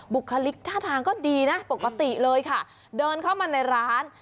บุคลิกท่าทางก็ดีนะปกติเลยค่ะเดินเข้ามาในร้าน